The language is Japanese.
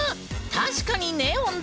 確かにネオンだ！